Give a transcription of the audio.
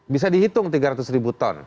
bisa dihitung tiga ratus ribu ton